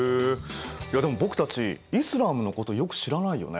いやでも僕たちイスラームのことよく知らないよね。